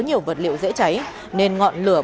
nhiều vật liệu dễ cháy nên ngọn lửa